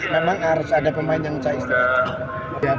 memang harus ada pemain yang saya istirahat